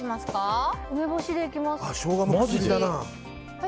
梅干しでいきます。